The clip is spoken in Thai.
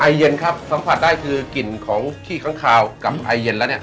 เย็นครับสัมผัสได้คือกลิ่นของขี้ค้างคาวกับไอเย็นแล้วเนี่ย